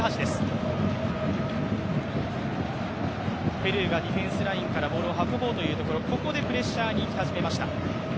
ペルーがディフェンスラインからボールを運ぼうというここでプレッシャーをかけにいきました。